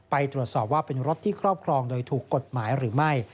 ไปตรวจสอบว่าเป็นรถที่ครอบครองโดยถูกกฎหมายหรือไม่